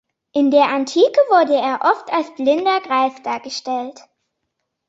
In der Antike wurde er oft als blinder Greis dargestellt.